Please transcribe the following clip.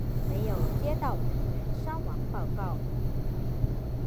没有接到人员伤亡报告。